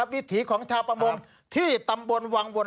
วิถีของชาวประมงที่ตำบลวังวล